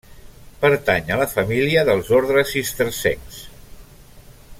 Pertany a la família dels ordes cistercencs.